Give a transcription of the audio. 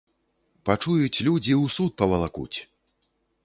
Пачуюць людзі, у суд павалакуць!